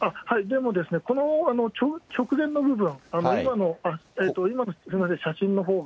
でもですね、この直前の部分、今の写真のほう。